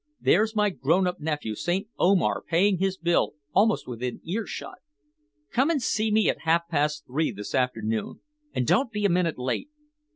There's my grown up nephew, St. Omar, paying his bill almost within earshot. Come and see me at half past three this afternoon, and don't be a minute late.